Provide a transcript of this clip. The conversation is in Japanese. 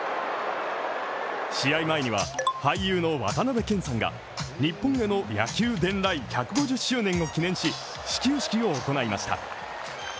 試合前には、俳優の渡辺謙さんが日本への野球伝来１５０周年を記念し始球式を行いました。